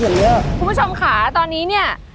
คุณผู้ชมค่ะตอนนี้เนี่ย